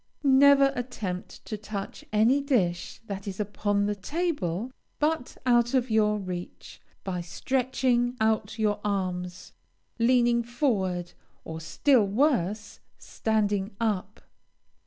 Never attempt to touch any dish that is upon the table, but out of your reach, by stretching out your arms, leaning forward, or, still worse, standing up.